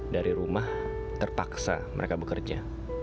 dari rumah terpaksa mereka bekerja